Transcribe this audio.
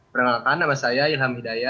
perkenalkan nama saya ilham hidayat